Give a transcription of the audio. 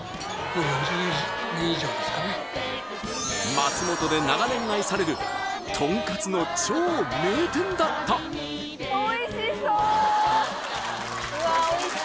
松本で長年愛されるとんかつの超名店だった世界初！